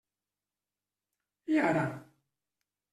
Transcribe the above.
I ara!